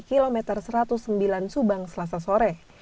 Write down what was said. kilometer satu ratus sembilan subang selasa sore